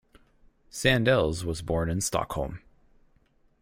Sandels was born in Stockholm.